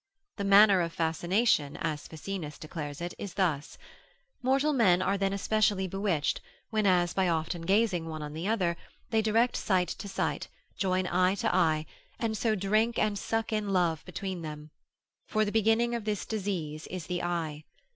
The manner of the fascination, as Ficinus 10. cap. com. in Plat. declares it, is thus: Mortal men are then especially bewitched, when as by often gazing one on the other, they direct sight to sight, join eye to eye, and so drink and suck in love between them; for the beginning of this disease is the eye.